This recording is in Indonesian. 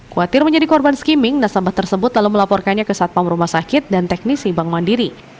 khawatir menjadi korban skimming nasabah tersebut lalu melaporkannya ke satpam rumah sakit dan teknisi bank mandiri